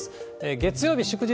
月曜日祝日